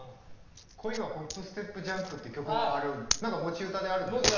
「恋はホップステップジャンプ」って曲がある何か持ち歌であるんですよね？